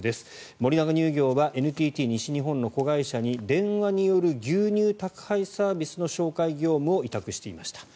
森永乳業はＮＴＴ西日本の子会社に電話による牛乳宅配サービスの紹介業務を委託していました。